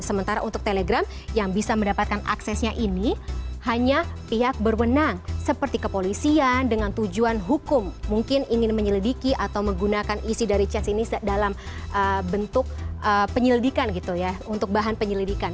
sementara untuk telegram yang bisa mendapatkan aksesnya ini hanya pihak berwenang seperti kepolisian dengan tujuan hukum mungkin ingin menyelidiki atau menggunakan isi dari chance ini dalam bentuk penyelidikan gitu ya untuk bahan penyelidikan